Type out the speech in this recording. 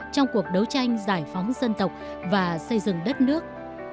trong cuộc đấu tranh giải phóng dân tộc và xây dựng đất nước